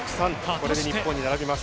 これで日本に並びます。